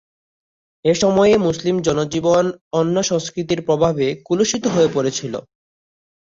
এ সময়ে মুসলিম জনজীবন অন্য সংস্কৃতির প্রভাবে কলুষিত হয়ে পড়েছিল।